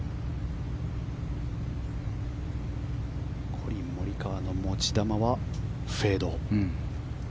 コリン・モリカワの持ち球はフェード。